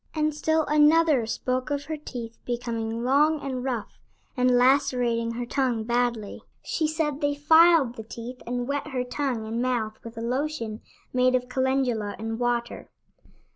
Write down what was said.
And still another spoke of her teeth becoming long and rough, and lacerating her tongue badly. She said they filed the teeth and wet her tongue and mouth with a lotion made of calendula and water.